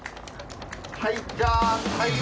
はいじゃあ。